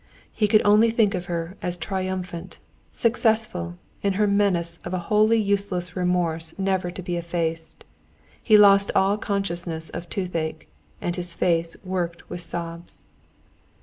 He could only think of her as triumphant, successful in her menace of a wholly useless remorse never to be effaced. He lost all consciousness of toothache, and his face worked with sobs.